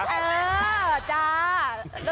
อ่าจ๊า